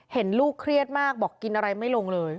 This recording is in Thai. เห็นลูกเครียดมากบอกกินอะไรไม่ลงเลย